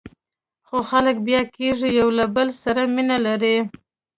خو خلک بیا کېږي، یو له بل سره مینه لري.